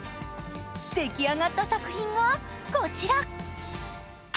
出来上がった作品がこちら。